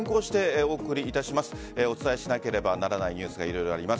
お伝えしなければならないニュースが色々あります。